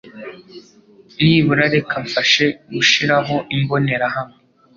Nibura reka mfashe gushiraho imbonerahamwe.